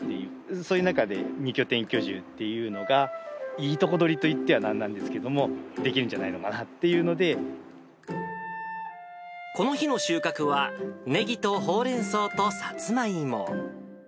そういう中で、２拠点居住っていうのが、いいとこ取りと言っては何なんですけれども、できるんじゃないのこの日の収穫は、ネギとホウレンソウとサツマイモ。